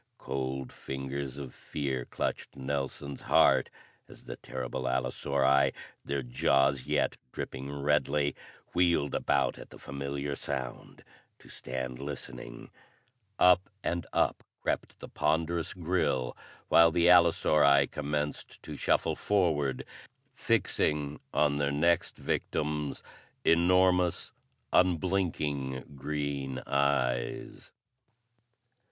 Cold fingers of fear clutched Nelson's heart as the terrible allosauri, their jaws yet dripping redly, wheeled about at the familiar sound to stand listening. Up and up crept the ponderous grille, while the allosauri commenced to shuffle forward, fixing on their next victims enormous, unblinking green eyes.